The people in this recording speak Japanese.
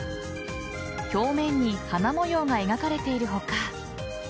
表面に花模様が描かれている他